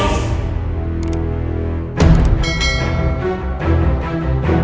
dia sangat merindukanmu